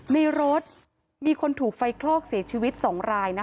ในรถมีคนถูกไฟคลอกเสียชีวิต๒ราย